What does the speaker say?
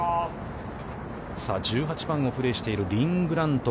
１８番をプレーしている、リン・グラント。